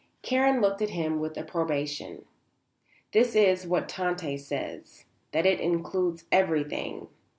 Karen looked at him with approbation. "That is what Tante says; that it includes everything."